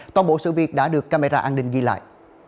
toàn bộ sự việc đã được camera an ninh ghi lại